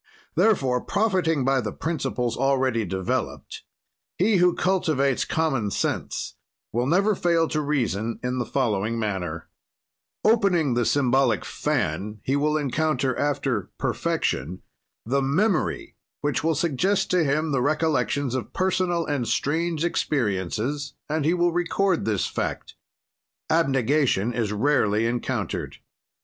"Therefore, profiting by the principles already developed, he who cultivates common sense will never fail to reason in the following manner: "Opening the symbolic fan, he will encounter, after perfection, the memory which will suggest to him the recollections of personal and strange experiences and he will record this fact: abegation is rarely encountered.